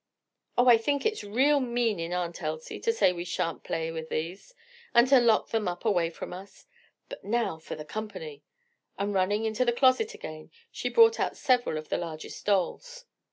"Oh I think it's real mean in Aunt Elsie, to say we sha'n't play with these, and to lock them up away from us. But now for the company!" and running into the closet again, she brought out several of the largest dolls.